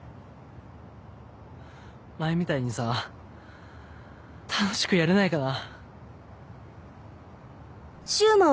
前みたいにさ楽しくやれないかな？